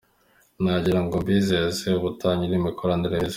Nagira ngo mbizeze ubufatanye n’imikoranire myiza.